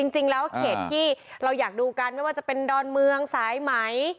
จริงแล้วเขตที่เราอยากดูกันไม่ว่าจะเป็นดอนเมืองสายไหม